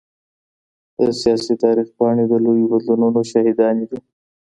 د سياسي تاريخ پاڼي د لويو بدلونونو شاهداني دي.